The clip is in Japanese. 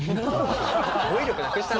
語彙力なくした？